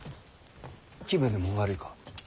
気分でも悪いか？